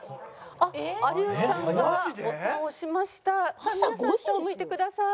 さあ皆さん下を向いてください。